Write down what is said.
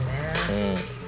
うん。